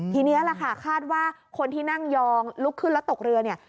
ทีนี้แหละค่ะคาดว่าคนที่นั่งยองลุกขึ้นแล้วตกเรือเนี่ย